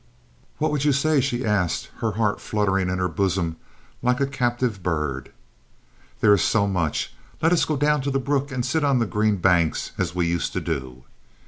"What would you say?" she asked, her heart fluttering in her bosom like a captive bird. "There is much. Let us go down to the brook and sit on the green banks as we used to do."